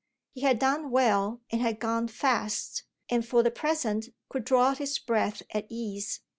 He had done well and had gone fast and for the present could draw his breath at ease.